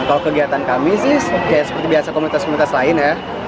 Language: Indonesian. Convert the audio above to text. kalau kegiatan kami sih kayak seperti biasa komunitas komunitas lain ya